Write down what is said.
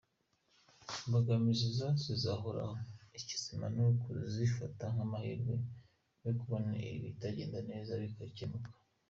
Imbogamizi zo zizahoraho ikizima ni ukuzifata nk’amahirwe yo kubona ibitagenda neza bigakemurwa”.